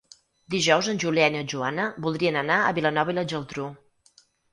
Dijous en Julià i na Joana voldrien anar a Vilanova i la Geltrú.